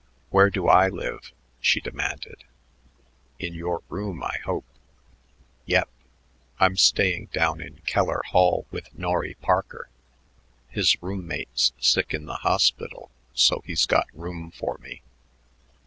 "Where do I live?" she demanded. "In your room, I hope." "Yep. I'm staying down in Keller Hall with Norry Parker. His room mate's sick in the hospital; so he's got room for me.